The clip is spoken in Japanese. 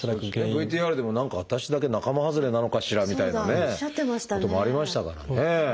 ＶＴＲでも「何か私だけ仲間外れなのかしら」みたいなこともありましたからね。